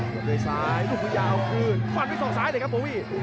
โดยซ้ายลูกมือยาเอาคืนฟันไปสองซ้ายเลยครับโบวี่